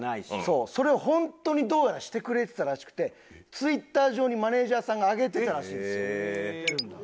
それをホントにどうやらしてくれてたらしくてツイッター上にマネジャーさんが上げてたらしいんですよ。